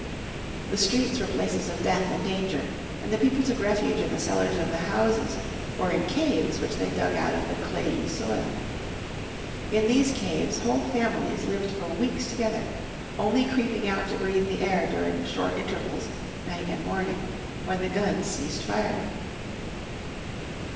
The streets were places of death and danger, and the people took refuge in the cellars of the houses, or in caves which they dug out of the clayey soil. In these caves whole families lived for weeks together, only creeping out to breathe the air during the short intervals, night and morning, when the guns ceased firing.